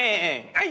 はい！